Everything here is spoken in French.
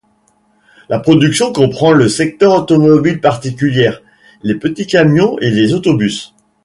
La production comprend le secteur automobiles particulières, les petits camions et les autobus.